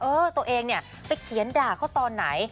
เออตัวเองไปเขียนด่าเค้าตอนไหน